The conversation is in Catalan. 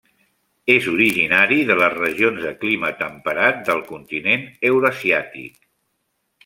És originari de les regions de clima temperat del continent eurasiàtic.